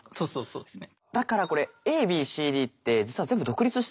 そうですね。